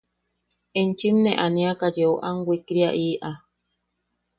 Enchim nee aniaka yeu am wikriaʼiʼa.